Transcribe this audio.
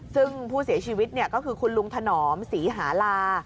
ซึ่งผู้เสียชีวิตก็คือคุณลุงถนอมศรีหาลา